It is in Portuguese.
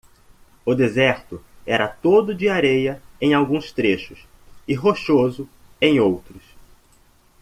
O deserto era todo de areia em alguns trechos? e rochoso em outros.